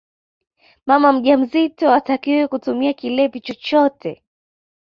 mama mjamzito hatakiwi kutumia kilevi chochote